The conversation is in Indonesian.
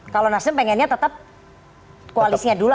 kalau nasim pengennya tetap koalisnya dulu